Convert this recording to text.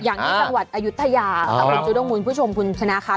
อย่างนี้สวัสดิ์อยุธยาอาวุธจุดงมูลผู้ชมคุณพนาคา